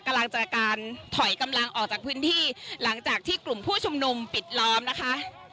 กำลังจะการถอยกำลังออกจากพื้นที่หลังจากที่กลุ่มผู้ชุมนุมปิดล้อมนะคะ